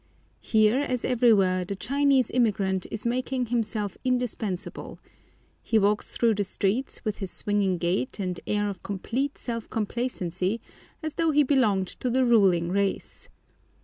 Here, as everywhere, the Chinese immigrant is making himself indispensable. He walks through the streets with his swinging gait and air of complete self complacency, as though he belonged to the ruling race.